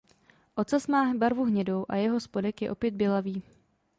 Ocas má barvu hnědou a jeho spodek je opět bělavý.